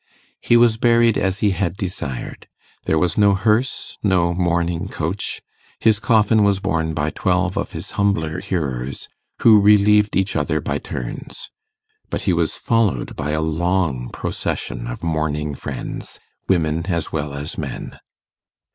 He was buried as he had desired: there was no hearse, no mourning coach; his coffin was borne by twelve of his humbler hearers, who relieved each other by turns. But he was followed by a long procession of mourning friends, women as well as men.